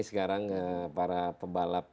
sekarang para pembalap